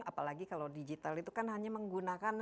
apalagi kalau digital itu kan hanya menggunakan